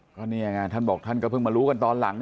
ก็นี่ไงท่านบอกท่านก็เพิ่งมารู้กันตอนหลัง